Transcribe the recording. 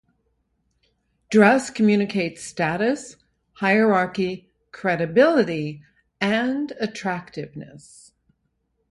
Dress communicates status, hierarchy, credibility, and attractiveness.